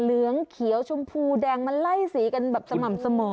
เหลืองเขียวชมพูแดงมันไล่สีกันแบบสม่ำเสมอ